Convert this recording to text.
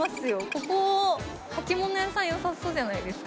ここ履物屋さん良さそうじゃないですか。